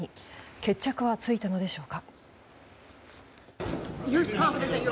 決着はついたのでしょうか。